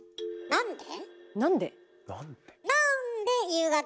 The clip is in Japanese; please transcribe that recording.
なんで？